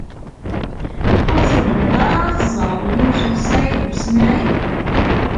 Ur tebɣiḍ ara ad teẓṛeḍ Yunes u Saɛid u Smaɛil?